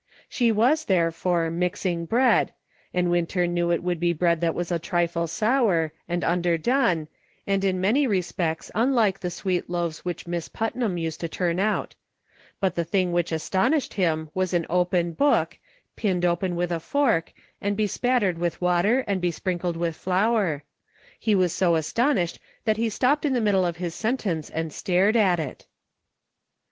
She was, therefore, mixing bread, and Winter knew it would be bread that was a trifle sour, and under DIFFERING WORLDS. 201 done, and in many respects unlike the sweet loaves which Miss Putnam used to turn out ; but the thing which astonished him was an open book, pinned open with a fork, and bespattered with water and besprinkled with flour ; he was so aston ished that he stopped in the middle of his sentence and stared at it.